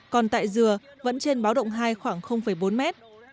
còn tại dừa vẫn trên báo động hai khoảng bốn mét